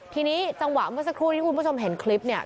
ทีนี้จังหวะเมื่อสักครู่ที่คุณผู้ชมเห็นคลิปเนี่ย